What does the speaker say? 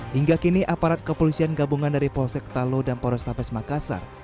hingga kini aparat kepolisian gabungan dari polsek talo dan polrestabes makassar